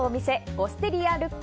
オステリアルッカ